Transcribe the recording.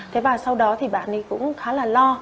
thế và sau đó thì bạn ấy cũng khá là lo